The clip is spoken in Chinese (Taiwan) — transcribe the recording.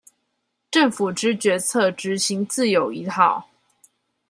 政府之決策執行自有一套